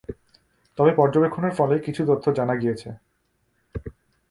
তবে পর্যবেক্ষণের ফলে কিছু তথ্য জানা গিয়েছে।